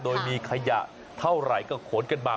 โดยมีขยะเท่าไหร่ก็ขนกันมา